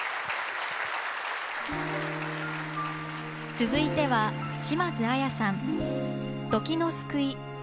続いては島津亜矢さん。